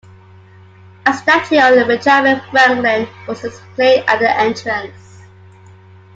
A statue of Benjamin Franklin was displayed at the entrance.